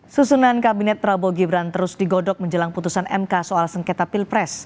susunan kabinet prabowo gibran terus digodok menjelang putusan mk soal sengketa pilpres